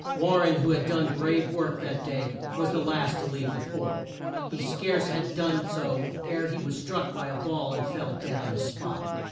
War ren, who had done brave work that day, was the last to leave the fort. He scarce had done so ere he was struck by a ball and fell dead on the spot.